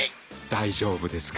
大丈夫ですか？